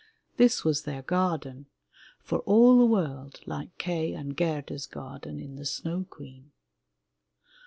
This was their garden, for all the world like Kay and Gerda's garden in the Snow Queen.